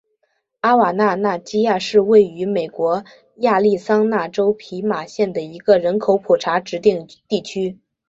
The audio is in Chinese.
海瓦纳纳基亚是位于美国亚利桑那州皮马县的一个人口普查指定地区。